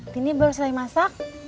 tini baru selesai masak